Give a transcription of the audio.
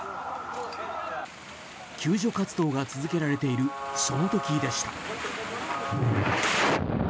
救助活動が続けられているその時でした。